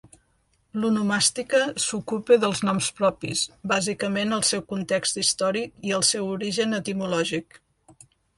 L'onomàstica s'ocupa dels noms propis, bàsicament el seu context històric i el seu origen etimològic.